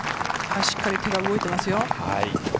しっかり手が動いていますよ。